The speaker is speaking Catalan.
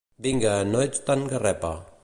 Vinga, no ets tan garrepa.